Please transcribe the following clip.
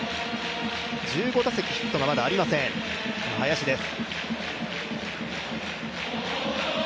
１５打席ヒットがまだありません、林です。